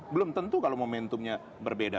belum tentu kalau momentumnya berbeda